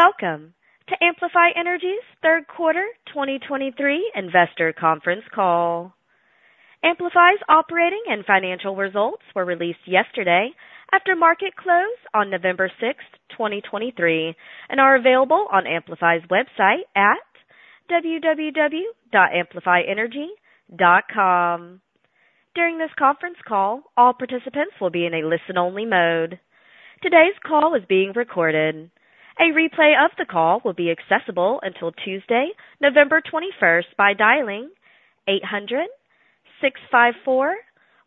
Welcome to Amplify Energy's third quarter 2023 investor conference call. Amplify's operating and financial results were released yesterday after market close on November 6, 2023, and are available on Amplify's website at www.amplifyenergy.com. During this conference call, all participants will be in a listen-only mode. Today's call is being recorded. A replay of the call will be accessible until Tuesday, November 21, by dialing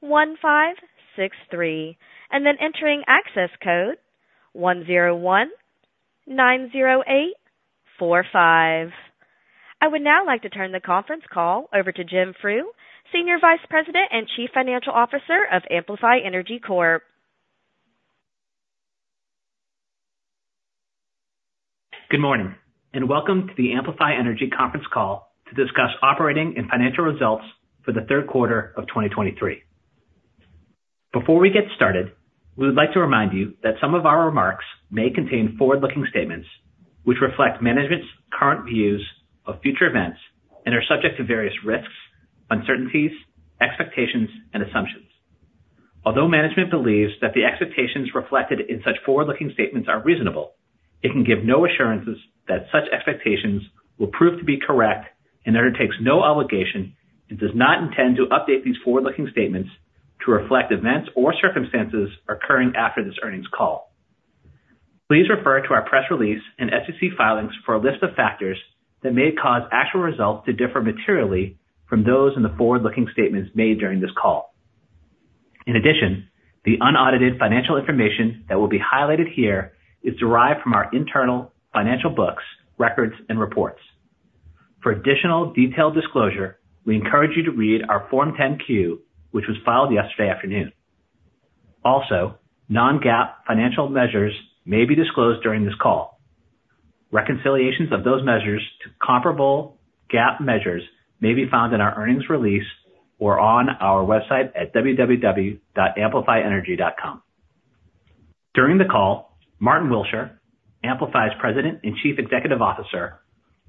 800-654-1563, and then entering access code 10190845. I would now like to turn the conference call over to Jim Frew, Senior Vice President and Chief Financial Officer of Amplify Energy Corp. Good morning, and welcome to the Amplify Energy conference call to discuss operating and financial results for the third quarter of 2023. Before we get started, we would like to remind you that some of our remarks may contain forward-looking statements, which reflect management's current views of future events and are subject to various risks, uncertainties, expectations, and assumptions. Although management believes that the expectations reflected in such forward-looking statements are reasonable, it can give no assurances that such expectations will prove to be correct and undertakes no obligation and does not intend to update these forward-looking statements to reflect events or circumstances occurring after this earnings call. Please refer to our press release and SEC filings for a list of factors that may cause actual results to differ materially from those in the forward-looking statements made during this call. In addition, the unaudited financial information that will be highlighted here is derived from our internal financial books, records, and reports. For additional detailed disclosure, we encourage you to read our Form 10-Q, which was filed yesterday afternoon. Also, non-GAAP financial measures may be disclosed during this call. Reconciliations of those measures to comparable GAAP measures may be found in our earnings release or on our website at www.amplifyenergy.com. During the call, Martyn Willsher, Amplify's President and Chief Executive Officer,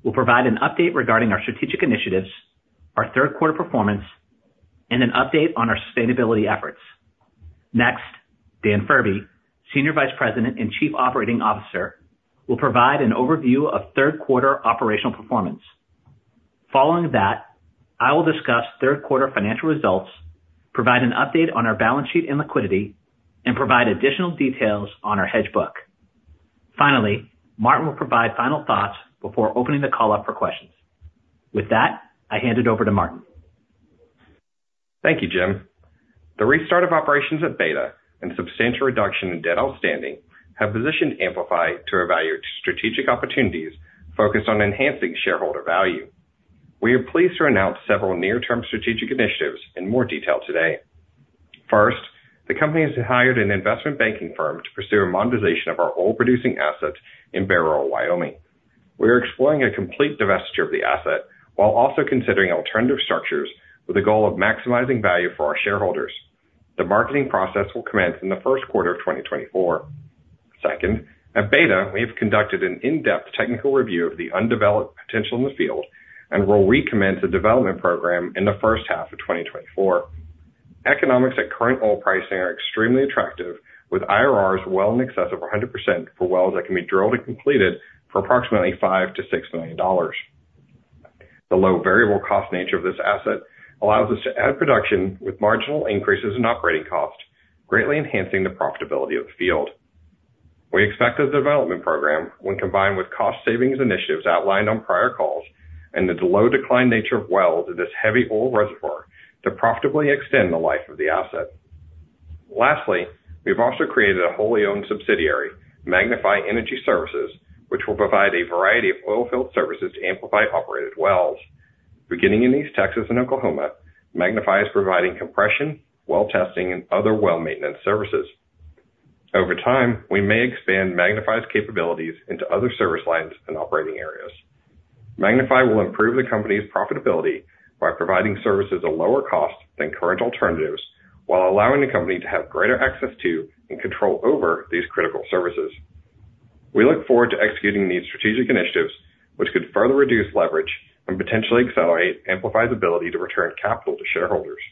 will provide an update regarding our strategic initiatives, our third quarter performance, and an update on our sustainability efforts. Next, Dan Furbee, Senior Vice President and Chief Operating Officer, will provide an overview of third quarter operational performance. Following that, I will discuss third quarter financial results, provide an update on our balance sheet and liquidity, and provide additional details on our hedge book. Finally, Martyn will provide final thoughts before opening the call up for questions. With that, I hand it over to Martyn. Thank you, Jim. The restart of operations at Beta and substantial reduction in debt outstanding have positioned Amplify to evaluate strategic opportunities focused on enhancing shareholder value. We are pleased to announce several near-term strategic initiatives in more detail today. First, the company has hired an investment banking firm to pursue a monetization of our oil-producing assets in Bairoil, Wyoming. We are exploring a complete divestiture of the asset, while also considering alternative structures with the goal of maximizing value for our shareholders. The marketing process will commence in the first quarter of 2024. Second, at Beta, we have conducted an in-depth technical review of the undeveloped potential in the field and will recommence a development program in the first half of 2024. Economics at current oil pricing are extremely attractive, with IRRs well in excess of 100% for wells that can be drilled and completed for approximately $5 million-$6 million. the low variable cost nature of this asset allows us to add production with marginal increases in operating costs, greatly enhancing the profitability of the field. We expect the development program, when combined with cost savings initiatives outlined on prior calls and the low decline nature of wells in this heavy oil reservoir, to profitably extend the life of the asset. Lastly, we've also created a wholly owned subsidiary, Magnify Energy Services, which will provide a variety of oilfield services to Amplify-operated wells. Beginning in East Texas and Oklahoma, Magnify is providing compression, well-testing, and other well maintenance services. Over time, we may expand Magnify's capabilities into other service lines and operating areas. Magnify will improve the company's profitability by providing services at lower cost than current alternatives, while allowing the company to have greater access to and control over these critical services. We look forward to executing these strategic initiatives, which could further reduce leverage and potentially accelerate Amplify's ability to return capital to shareholders.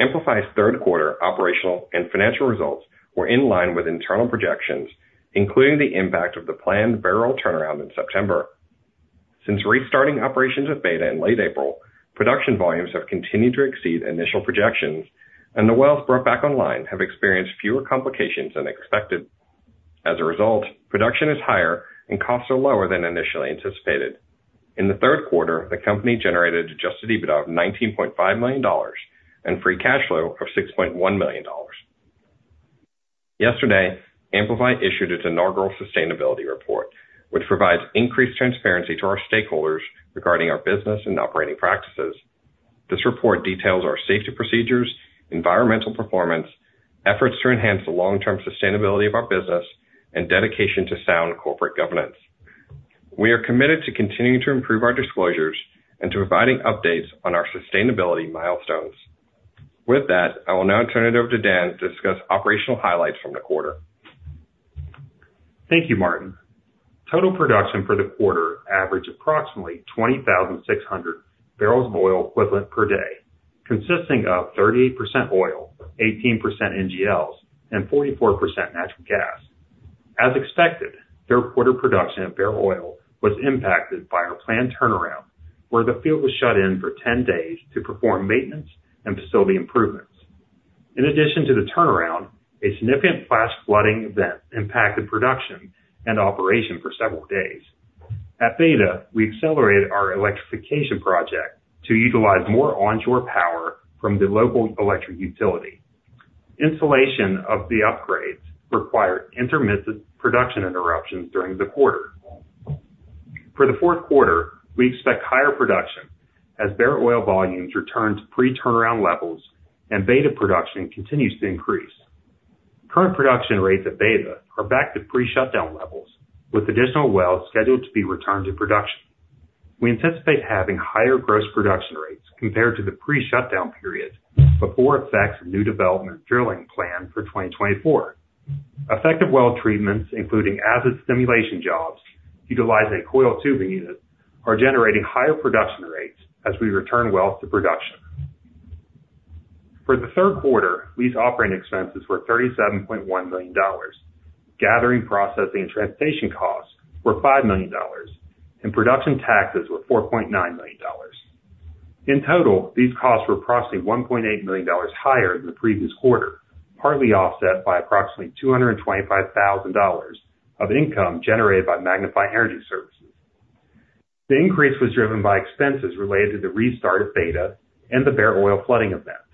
Amplify's third quarter operational and financial results were in line with internal projections, including the impact of the planned Beta turnaround in September. Since restarting operations of Beta in late April, production volumes have continued to exceed initial projections, and the wells brought back online have experienced fewer complications than expected. As a result, production is higher and costs are lower than initially anticipated. In the third quarter, the company generated Adjusted EBITDA of $19.5 million and free cash flow of $6.1 million. Yesterday, Amplify issued its inaugural sustainability report, which provides increased transparency to our stakeholders regarding our business and operating practices. This report details our safety procedures, environmental performance, efforts to enhance the long-term sustainability of our business, and dedication to sound corporate governance. We are committed to continuing to improve our disclosures and to providing updates on our sustainability milestones. ...With that, I will now turn it over to Dan to discuss operational highlights from the quarter. Thank you, Martyn. Total production for the quarter averaged approximately 20,600 barrels of oil equivalent per day, consisting of 38% oil, 18% NGLs, and 44% natural gas. As expected, third quarter production at Bairoil was impacted by our planned turnaround, where the field was shut in for 10 days to perform maintenance and facility improvements. In addition to the turnaround, a significant flash flooding event impacted production and operation for several days. At Beta, we accelerated our electrification project to utilize more onshore power from the local electric utility. Installation of the upgrades required intermittent production interruptions during the quarter. For the fourth quarter, we expect higher production as Bairoil volumes return to pre-turnaround levels and Beta production continues to increase. Current production rates at Beta are back to pre-shutdown levels, with additional wells scheduled to be returned to production. We anticipate having higher gross production rates compared to the pre-shutdown period before effects of new development drilling plan for 2024. Effective well treatments, including acid stimulation jobs utilizing a coiled tubing unit, are generating higher production rates as we return wells to production. For the third quarter, lease operating expenses were $37.1 million. Gathering, processing, and transportation costs were $5 million, and production taxes were $4.9 million. In total, these costs were approximately $1.8 million higher than the previous quarter, partly offset by approximately $225,000 of income generated by Magnify Energy Services. The increase was driven by expenses related to the restart of Beta and the Bairoil flooding event.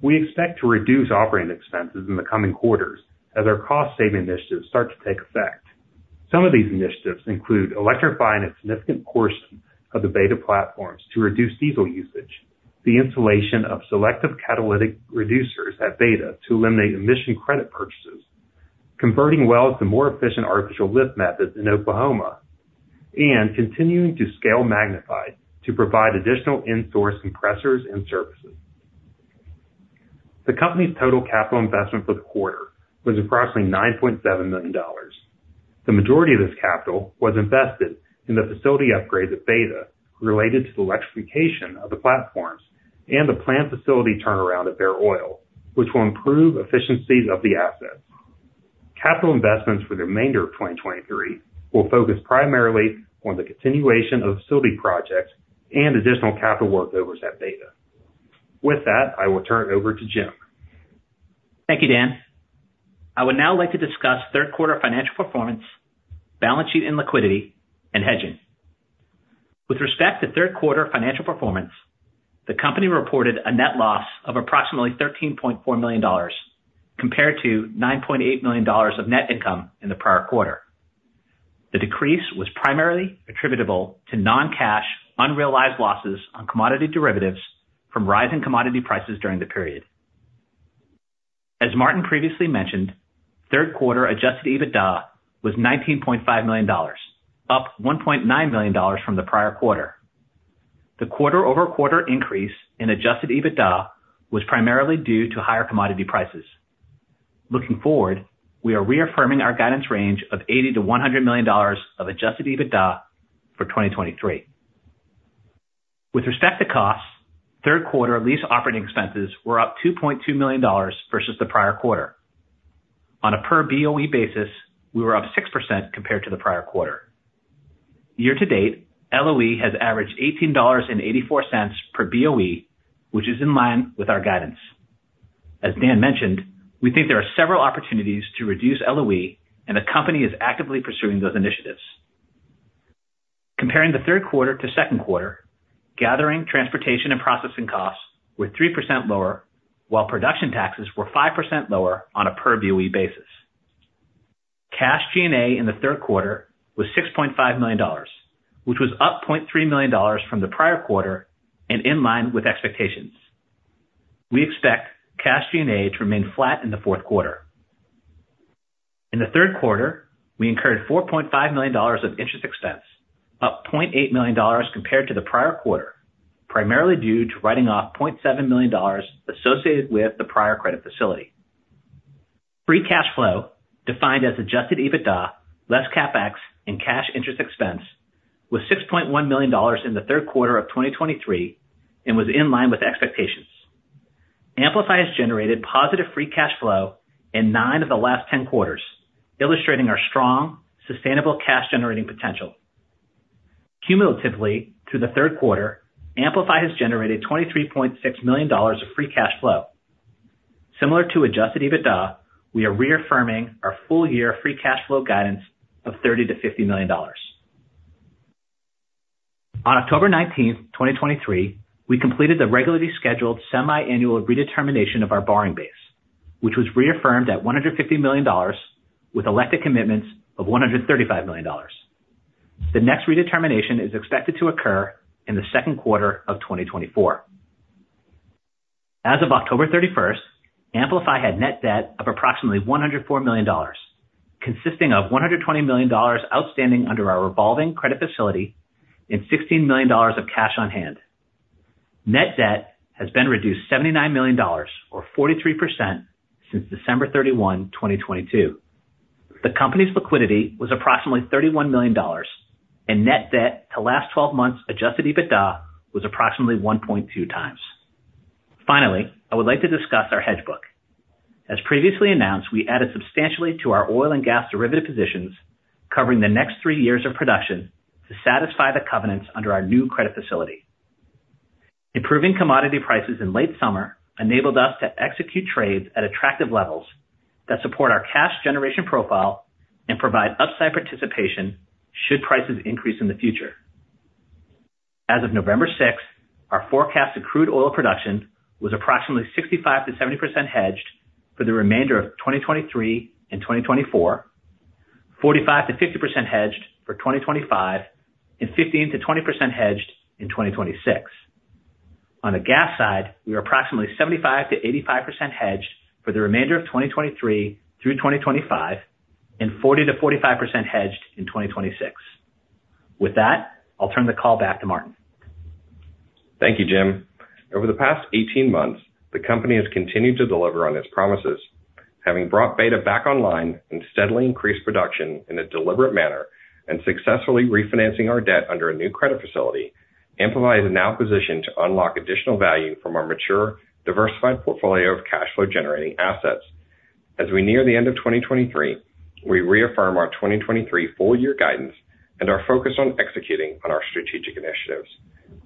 We expect to reduce operating expenses in the coming quarters as our cost-saving initiatives start to take effect. Some of these initiatives include electrifying a significant portion of the Beta platforms to reduce diesel usage, the installation of selective catalytic reducers at Beta to eliminate emission credit purchases, converting wells to more efficient artificial lift methods in Oklahoma, and continuing to scale Magnify to provide additional in-source compressors and services. The company's total capital investment for the quarter was approximately $9.7 million. The majority of this capital was invested in the facility upgrades at Beta related to the electrification of the platforms and the planned facility turnaround at Bairoil, which will improve efficiencies of the assets. Capital investments for the remainder of 2023 will focus primarily on the continuation of facility projects and additional capital workovers at Beta. With that, I will turn it over to Jim. Thank you, Dan. I would now like to discuss third quarter financial performance, balance sheet and liquidity, and hedging. With respect to third quarter financial performance, the company reported a net loss of approximately $13.4 million compared to $9.8 million of net income in the prior quarter. The decrease was primarily attributable to non-cash, unrealized losses on commodity derivatives from rising commodity prices during the period. As Martyn previously mentioned, third quarter Adjusted EBITDA was $19.5 million, up $1.9 million from the prior quarter. The quarter-over-quarter increase in Adjusted EBITDA was primarily due to higher commodity prices. Looking forward, we are reaffirming our guidance range of $80 million-$100 million of Adjusted EBITDA for 2023. With respect to costs, third quarter lease operating expenses were up $2.2 million versus the prior quarter. On a per BOE basis, we were up 6% compared to the prior quarter. Year to date, LOE has averaged $18.84 per BOE, which is in line with our guidance. As Dan mentioned, we think there are several opportunities to reduce LOE, and the company is actively pursuing those initiatives. Comparing the third quarter to second quarter, gathering, transportation, and processing costs were 3% lower, while production taxes were 5% lower on a per BOE basis. Cash G&A in the third quarter was $6.5 million, which was up $0.3 million from the prior quarter and in line with expectations. We expect cash G&A to remain flat in the fourth quarter. In the third quarter, we incurred $4.5 million of interest expense, up $0.8 million compared to the prior quarter, primarily due to writing off $0.7 million associated with the prior credit facility. Free cash flow, defined as Adjusted EBITDA less Capex and cash interest expense, was $6.1 million in the third quarter of 2023 and was in line with expectations. Amplify has generated positive free cash flow in nine of the last ten quarters, illustrating our strong, sustainable cash-generating potential. Cumulatively, through the third quarter, Amplify has generated $23.6 million of free cash flow. Similar to Adjusted EBITDA, we are reaffirming our full-year free cash flow guidance of $30 million-$50 million. On October 19, 2023, we completed the regularly scheduled semi-annual redetermination of our borrowing base, which was reaffirmed at $150 million, with elected commitments of $135 million. The next redetermination is expected to occur in the second quarter of 2024. As of October 31, Amplify had net debt of approximately $104 million, consisting of $120 million outstanding under our revolving credit facility and $16 million of cash on hand. Net debt has been reduced $79 million, or 43%, since December 31, 2022. The company's liquidity was approximately $31 million, and net debt to last twelve months Adjusted EBITDA was approximately 1.2 times. Finally, I would like to discuss our hedge book. As previously announced, we added substantially to our oil and gas derivative positions, covering the next three years of production, to satisfy the covenants under our new credit facility. Improving commodity prices in late summer enabled us to execute trades at attractive levels that support our cash generation profile and provide upside participation should prices increase in the future. As of November sixth, our forecast of crude oil production was approximately 65%-70% hedged for the remainder of 2023 and 2024, 45%-50% hedged for 2025, and 15%-20% hedged in 2026. On the gas side, we are approximately 75%-85% hedged for the remainder of 2023 through 2025 and 40%-45% hedged in 2026. With that, I'll turn the call back to Martyn. Thank you, Jim. Over the past 18 months, the company has continued to deliver on its promises. Having brought Beta back online and steadily increased production in a deliberate manner and successfully refinancing our debt under a new credit facility, Amplify is now positioned to unlock additional value from our mature, diversified portfolio of cash flow-generating assets. As we near the end of 2023, we reaffirm our 2023 full year guidance and our focus on executing on our strategic initiatives.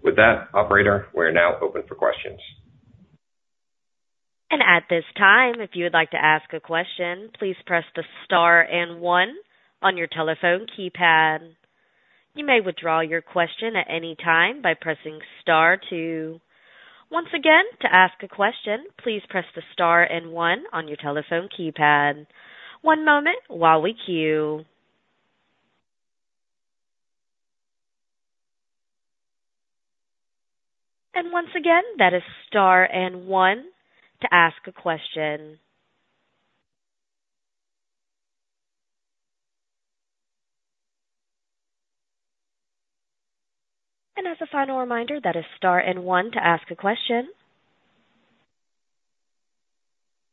With that, operator, we're now open for questions. At this time, if you would like to ask a question, please press the star and one on your telephone keypad. You may withdraw your question at any time by pressing star two. Once again, to ask a question, please press the star and one on your telephone keypad. One moment while we queue. Once again, that is star and one to ask a question. As a final reminder, that is star and one to ask a question.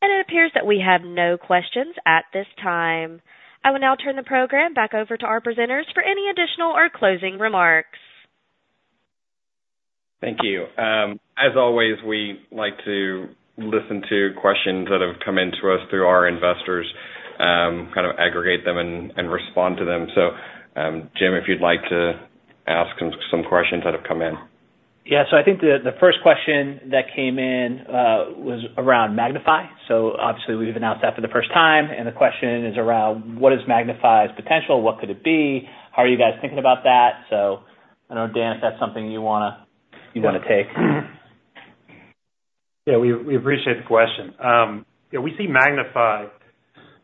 It appears that we have no questions at this time. I will now turn the program back over to our presenters for any additional or closing remarks. Thank you. As always, we like to listen to questions that have come in to us through our investors, kind of aggregate them and respond to them. So, Jim, if you'd like to ask them some questions that have come in. Yeah. So I think the first question that came in was around Magnify. So obviously, we've announced that for the first time, and the question is around, what is Magnify's potential? What could it be? How are you guys thinking about that? So I know, Dan, if that's something you wanna take. Yeah, we appreciate the question. Yeah, we see Magnify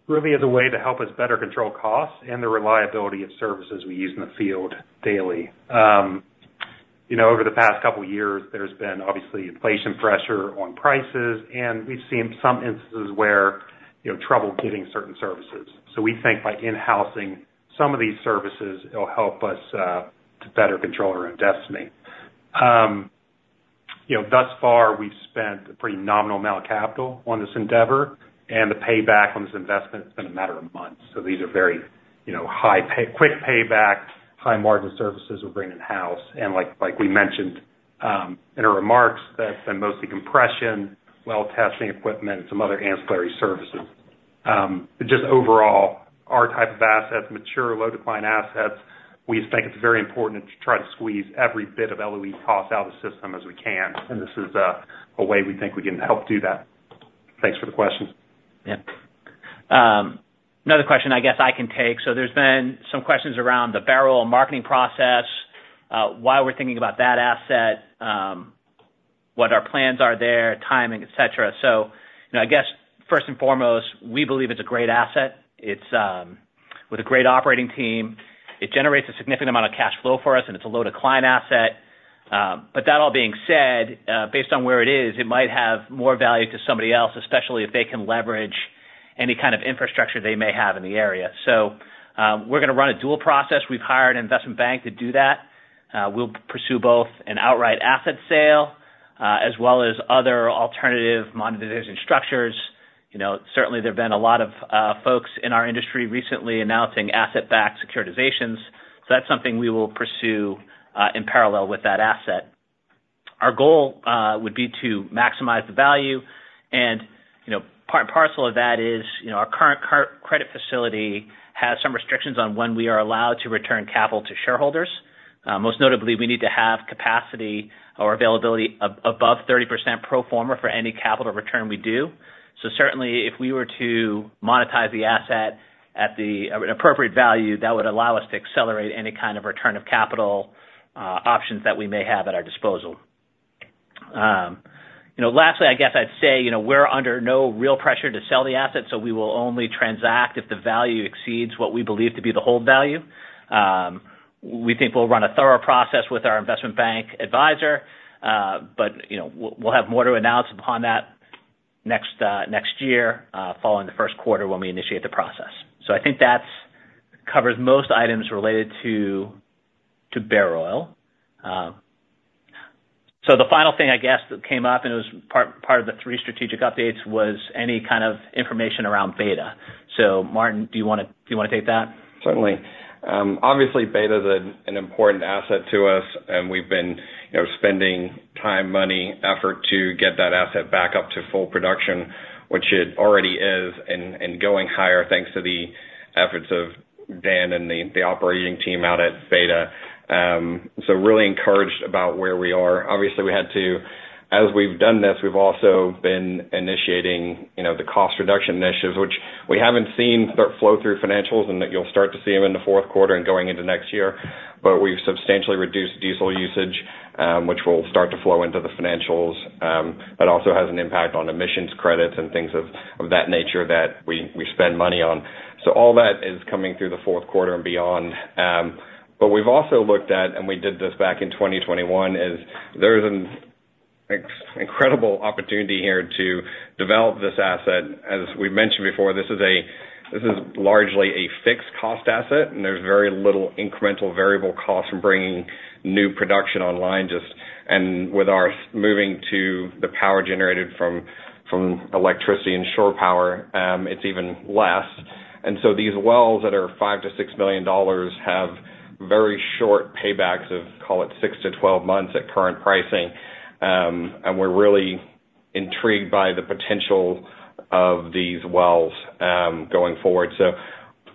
really as a way to help us better control costs and the reliability of services we use in the field daily. You know, over the past couple of years, there's been obviously inflation pressure on prices, and we've seen some instances where, you know, trouble getting certain services. So we think by in-housing some of these services, it'll help us to better control our own destiny. You know, thus far, we've spent a pretty nominal amount of capital on this endeavor, and the payback on this investment has been a matter of months. So these are very, you know, quick payback, high-margin services we're bringing in-house. And like we mentioned in our remarks, that's been mostly compression, well testing equipment, and some other ancillary services. But just overall, our type of assets, mature, low decline assets, we just think it's very important to try to squeeze every bit of LOE cost out of the system as we can, and this is a way we think we can help do that. Thanks for the question. Yeah. Another question I guess I can take. So there's been some questions around the Bairoil marketing process, why we're thinking about that asset, what our plans are there, timing, et cetera. So, you know, I guess first and foremost, we believe it's a great asset. It's with a great operating team. It generates a significant amount of cash flow for us, and it's a low decline asset. But that all being said, based on where it is, it might have more value to somebody else, especially if they can leverage any kind of infrastructure they may have in the area. So, we're gonna run a dual process. We've hired an investment bank to do that. We'll pursue both an outright asset sale, as well as other alternative monetization structures. You know, certainly there have been a lot of folks in our industry recently announcing asset-backed securitizations, so that's something we will pursue in parallel with that asset. Our goal would be to maximize the value, and, you know, part and parcel of that is, you know, our current credit facility has some restrictions on when we are allowed to return capital to shareholders. Most notably, we need to have capacity or availability above 30% pro forma for any capital return we do. So certainly, if we were to monetize the asset at the appropriate value, that would allow us to accelerate any kind of return of capital options that we may have at our disposal. You know, lastly, I guess I'd say, you know, we're under no real pressure to sell the asset, so we will only transact if the value exceeds what we believe to be the hold value. We think we'll run a thorough process with our investment bank advisor, but, you know, we'll, we'll have more to announce upon that next year, following the first quarter when we initiate the process. So I think that's covers most items related to Bairoil. So the final thing, I guess, that came up, and it was part of the three strategic updates, was any kind of information around Beta. So Martyn, do you wanna take that? Certainly. Obviously, Beta is an important asset to us, and we've been, you know, spending time, money, effort to get that asset back up to full production, which it already is, and going higher thanks to the efforts of Dan and the operating team out at Beta. So really encouraged about where we are. Obviously, we had to, as we've done this, we've also been initiating, you know, the cost reduction initiatives, which we haven't seen start flow through financials, and that you'll start to see them in the fourth quarter and going into next year. But we've substantially reduced diesel usage, which will start to flow into the financials. That also has an impact on emissions credits and things of that nature that we spend money on. So all that is coming through the fourth quarter and beyond. But we've also looked at, and we did this back in 2021, there is an incredible opportunity here to develop this asset. As we've mentioned before, this is largely a fixed cost asset, and there's very little incremental variable cost from bringing new production online, just. And with our moving to the power generated from electricity and shore power, it's even less. And so these wells that are $5 million-$6 million have very short paybacks of, call it, 6-12 months at current pricing. And we're really intrigued by the potential of these wells going forward. So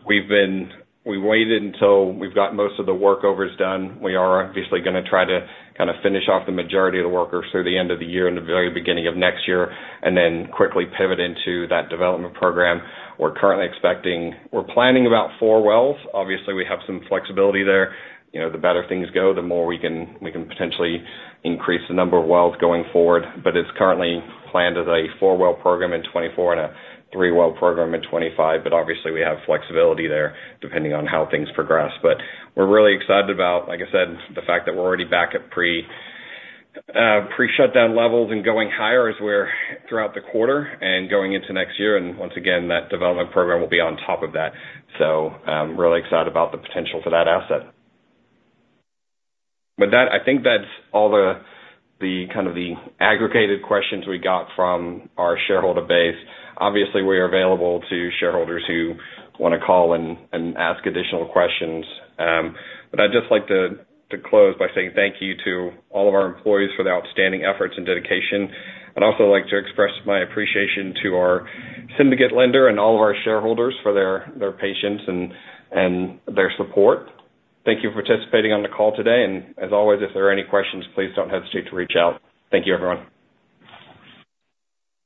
we've been waiting until we've got most of the workovers done. We are obviously gonna try to kind of finish off the majority of the workers through the end of the year and the very beginning of next year, and then quickly pivot into that development program. We're currently expecting-- we're planning about 4 wells. Obviously, we have some flexibility there. You know, the better things go, the more we can, we can potentially increase the number of wells going forward. But it's currently planned as a 4 well program in 2024 and a 3 well program in 2025. But obviously, we have flexibility there, depending on how things progress. But we're really excited about, like I said, the fact that we're already back at pre, pre-shutdown levels and going higher as we're throughout the quarter and going into next year. And once again, that development program will be on top of that. So, I'm really excited about the potential for that asset. With that, I think that's all the kind of aggregated questions we got from our shareholder base. Obviously, we are available to shareholders who wanna call and ask additional questions. But I'd just like to close by saying thank you to all of our employees for their outstanding efforts and dedication. I'd also like to express my appreciation to our syndicate lender and all of our shareholders for their patience and their support. Thank you for participating on the call today, and as always, if there are any questions, please don't hesitate to reach out. Thank you, everyone.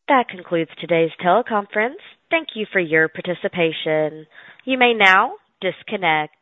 That concludes today's teleconference. Thank you for your participation. You may now disconnect.